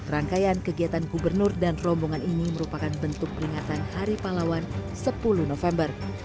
rangkaian kegiatan gubernur dan rombongan ini merupakan bentuk peringatan hari pahlawan sepuluh november